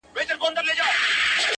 حبطه یې د فېشن ټوله خواري سي -